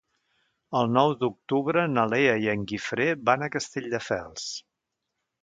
El nou d'octubre na Lea i en Guifré van a Castelldefels.